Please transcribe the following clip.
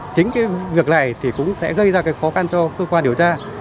chính việc này cũng sẽ gây ra khó khăn cho cơ quan điều tra